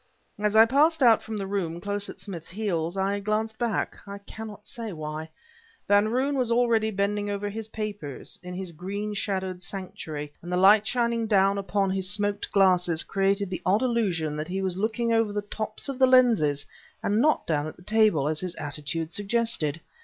As I passed out from the room close at Smith's heels, I glanced back, I cannot say why. Van Roon already was bending over his papers, in his green shadowed sanctuary, and the light shining down upon his smoked glasses created the odd illusion that he was looking over the tops of the lenses and not down at the table as his attitude suggested.